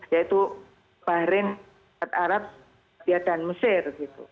yaitu bahrain arab dan mesir